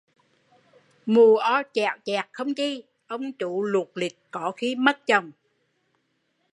Mụ o chẽo chẹt không chi, ông chú lụt lịt có khi mất chồng